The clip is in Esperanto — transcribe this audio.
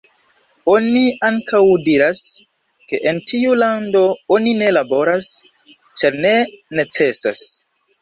Oni ankaŭ diras, ke en tiu lando oni ne laboras, ĉar ne necesas.